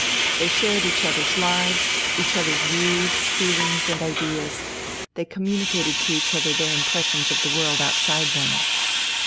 They shared each other's lives, each other's views, feelings, and ideas: they communicated to each other their impressions of the world outside them.